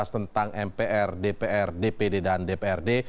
tentang mpr dpr dpd dan dprd